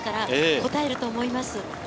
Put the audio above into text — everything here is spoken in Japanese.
こたえると思います。